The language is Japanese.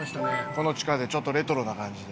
この地下でちょっとレトロな感じで。